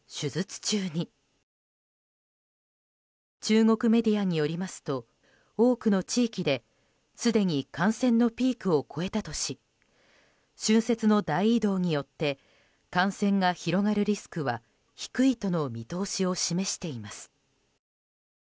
中国メディアによりますと多くの地域ですでに感染のピークを越えたとし春節の大移動によって感染が広がるリスクは低いとの見通しを示しています。